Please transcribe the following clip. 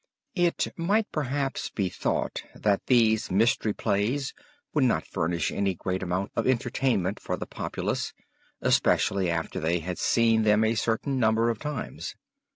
It might perhaps be thought that these mystery plays would not furnish any great amount of entertainment for the populace, especially after they had seen them a certain number of times.